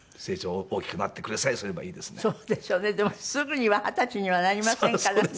でもすぐには二十歳にはなりませんからね。